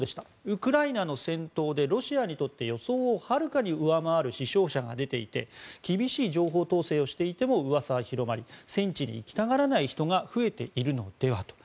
ウクライナの戦闘でロシアにとって予想をはるかに上回る死傷者が出ていて厳しい情報統制をしていてもうわさは広まり戦地に行きたがらない人が増えているのではと。